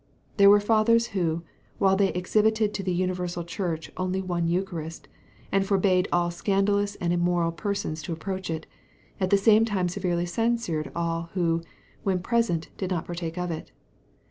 There were fathers who, while they exhibited to the universal Church only one eucharist, and forbade all scandalous and immoral persons to approach it, at the same time severely censured all who, when present, did not partake of it.